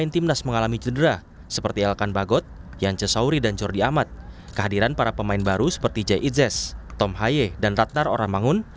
tim nas garuda jan cesauri dan jordi ahmad kehadiran para pemain baru seperti jay itzes tom haye dan ratnar oramangun